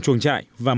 chuồng trại và mua